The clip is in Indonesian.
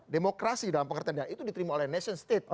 demokrasi dalam pengertian itu diterima oleh nation state